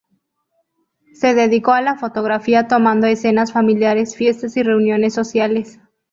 Se dedicó a la fotografía tomando escenas familiares, fiestas y reuniones sociales.